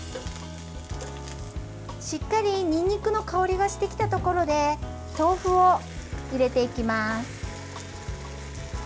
しっかりにんにくの香りがしてきたところで豆腐を入れていきます。